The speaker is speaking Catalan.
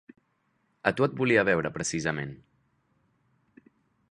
A tu et volia veure precisament.